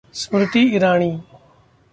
Smriti Irani